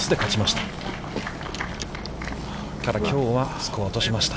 ただ、きょうはスコアを落としました。